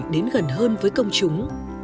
đến gần hơn với công chúng